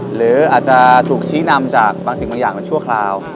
หรืออาจจะถูกชี้นำจากบางสิ่งบางอย่างมันชั่วคราว